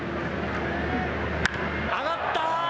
上がった。